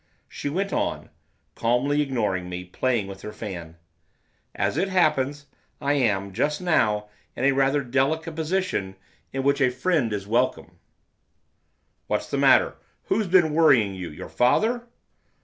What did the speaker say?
She went on, calmly ignoring me, playing with her fan. 'As it happens, I am, just now, in rather a delicate position, in which a friend is welcome.' 'What's the matter? Who's been worrying you, your father?